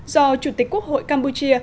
do chủ tịch quốc hội campuchia